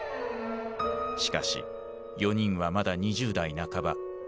しかし４人はまだ２０代半ば。